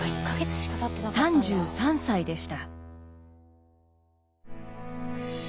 ３３歳でした。